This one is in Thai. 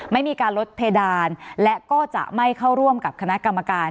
ไม่มีการลดเพดานและก็จะไม่เข้าร่วมกับคณะกรรมการ